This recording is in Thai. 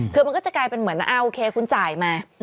คือมันก็จะกลายเป็นเหมือนโอเคคุณจ่ายมา